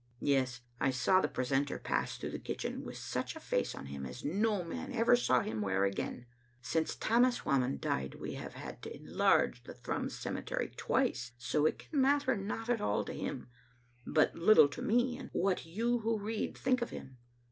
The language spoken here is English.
Yes, I saw the precentor pass through the kitchen, with such a face on him as no man ever saw him wear again. Since Tammas Whamond died we have had to enlarge the Thrums cemetery twice; so it can matter not at all to him, and but little to me, what you who read think of him.